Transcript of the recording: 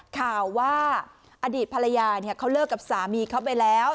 ข่าวว่าอดีตภรรยาเขาเลิกกับสามีเขาไปแล้ว